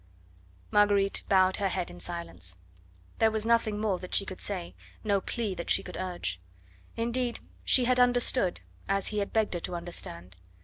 Marguerite bowed her head in silence. There was nothing more that she could say, no plea that she could urge. Indeed, she had understood, as he had begged her to understand.